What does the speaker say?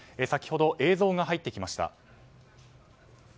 先ほど映像が入ってきました。